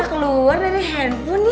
bisa keluar dari handphonenya